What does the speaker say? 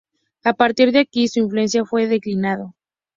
A partir de aquí su influencia fue declinando.